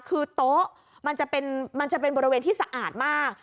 คือโต๊ะมันจะเป็นบริเวณที่สะอาดมาก